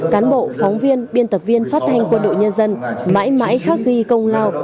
cán bộ phóng viên biên tập viên phát thanh quân đội nhân dân mãi mãi khắc ghi công lao